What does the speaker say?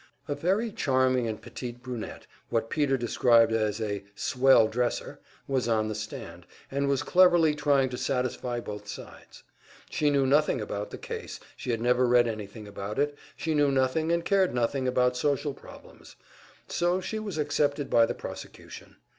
A very charming and petite brunette what Peter described as a "swell dresser" was on the stand, and was cleverly trying to satisfy both sides. She knew nothing about the case, she had never read anything about it, she knew nothing and cared nothing about social problems; so she was accepted by the prosecution.